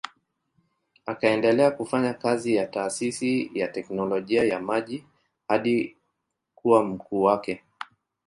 Akaendelea kufanya kazi ya taasisi ya teknolojia ya maji hadi kuwa mkuu wake.